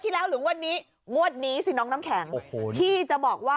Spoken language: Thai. นี่น้องเบิร์ดน้องน้ำแข็งน้องดอม